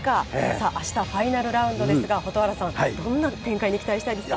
さあ、あしたはファイナルラウンドですが、蛍原さん、どんな展開に期待したいですか？